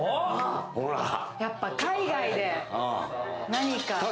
やっぱり海外で何か。